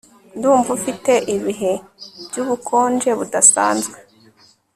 Ndumva ufite ibihe byubukonje budasanzwe